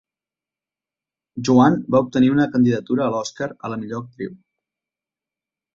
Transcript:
Joan va obtenir una candidatura a l'Oscar a la millor actriu.